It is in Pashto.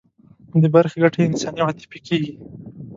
د برخې ګټه یې انساني او عاطفي کېږي.